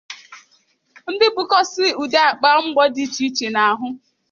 ndị bukọsị ụdị àpà mgbọ dị iche iche n'ahụ